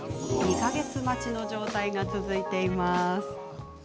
２か月待ちの状態が続いています。